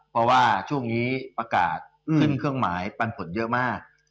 เพราะว่าช่วงนี้ประกาศขึ้นเครื่องหมายปันผลเยอะมาก